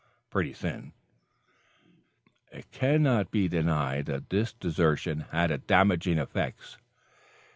(Pretty thin!) It cannot be denied that this desertion has had a damaging effect.